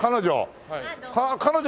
彼女？